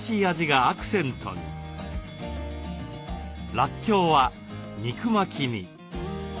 らっきょうは肉巻きに。